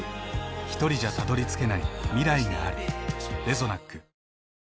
ひとりじゃたどりつけない未来がある。